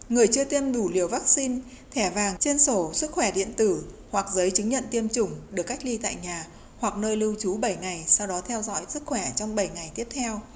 người chưa tiêm đủ liều vaccine thẻ vàng trên sổ sức khỏe điện tử hoặc giấy chứng nhận tiêm chủng được cách ly tại nhà hoặc nơi lưu trú bảy ngày sau đó theo dõi sức khỏe trong bảy ngày tiếp theo